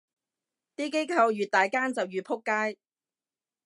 啲機構越大間就越仆街